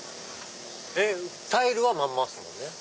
タイルはまんまっすもんね。